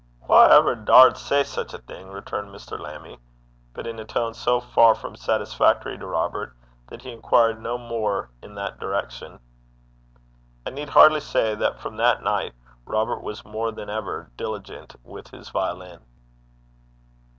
'Wha ever daured say sic a thing?' returned Mr. Lammie, but in a tone so far from satisfactory to Robert, that he inquired no more in that direction. I need hardly say that from that night Robert was more than ever diligent with his violin.